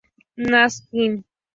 Nasdaq, Inc.